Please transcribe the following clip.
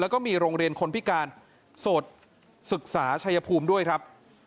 แล้วก็มีโรงเรียนคนพิการโสดศึกษาชัยภูมิด้วยครับ